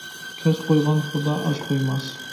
كەچ قويغان خۇدا ئاچ قويماس.